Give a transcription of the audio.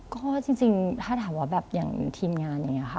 ก็จริงถ้าถามว่าแบบอย่างทีมงานอย่างนี้ค่ะ